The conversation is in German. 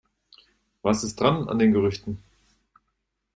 Was ist dran, an den Gerüchten?